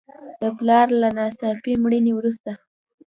د پلار له ناڅاپي مړینې وروسته.